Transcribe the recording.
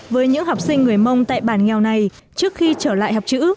với những học sinh người mông tại bản nghèo này trước khi trở lại học chữ